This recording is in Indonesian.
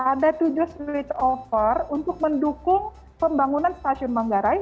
ada tujuh slide over untuk mendukung pembangunan stasiun manggarai